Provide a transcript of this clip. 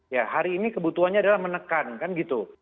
ya hari ini kebutuhannya adalah menekan kan gitu